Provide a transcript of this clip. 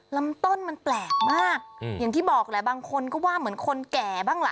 ลำต้นมันแปลกมากอย่างที่บอกแหละบางคนก็ว่าเหมือนคนแก่บ้างล่ะ